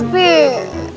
papi tuntut dia